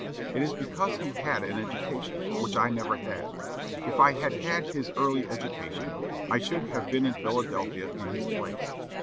It is because he had an education, which I never had. If I had had his early education, I should have been in Philadelphia in his place.